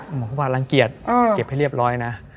หมอปลารังเกียจเก็บให้เรียบร้อยนะ